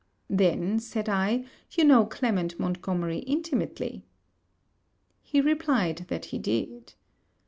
'Then,' said I, 'you know Clement Montgomery intimately.' He replied that he did.